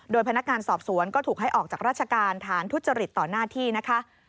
พนักงานสอบสวนก็ถูกให้ออกจากราชการฐานทุจริตต่อหน้าที่นะคะ